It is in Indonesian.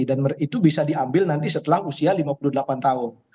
dan itu bisa diambil nanti setelah usia lima puluh delapan tahun